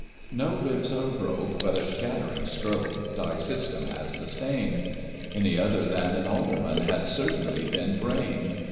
No ribs are broke, but a shattering stroke thy system has sustain' d ; Any other than an alderman had certainly been brained.